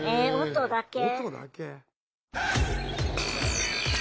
音だけ？